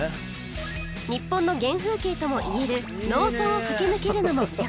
日本の原風景ともいえる農村を駆け抜けるのも魅力